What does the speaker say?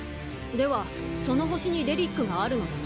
ではその星に遺物があるのだな？